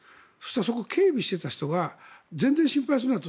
そこを警備していた人が全然心配するなと。